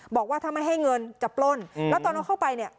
บอกว่าถ้าไม่ให้เงินจะปล้นแล้วตอนเอาเข้าไปเนี่ย